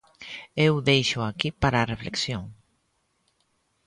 Eu déixoo aquí para reflexión.